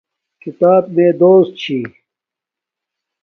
کھیتاپ میے دوست چھی